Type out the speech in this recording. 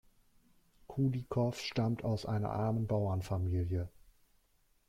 Kulikow stammt aus einer armen Bauernfamilie.